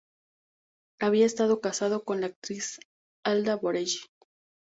Había estado casado con la actriz Alda Borelli.